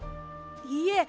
いえ。